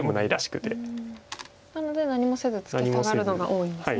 なので何もせずツケサガるのが多いんですね。